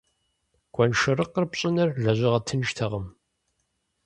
Гуэншэрыкъыр пщӀыныр лэжьыгъэ тынштэкъым.